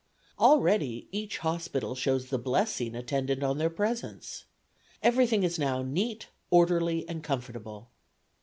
Already each hospital shows the blessing attendant on their presence. Everything is now neat, orderly and comfortable.